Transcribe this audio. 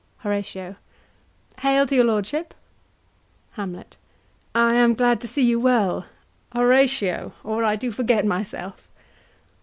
HORATIO. Hail to your lordship! HAMLET. I am glad to see you well: Horatio, or I do forget myself.